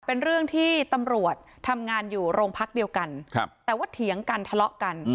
เป็นเรื่องที่ตำรวจทำงานอยู่โรงพักเดียวกันแต่ว่าเถียงกันทะเลาะกัน